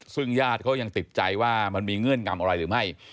ซึ่งญาติเขายังติดใจว่ามันมีเงื่อนงำอะไรหรือไม่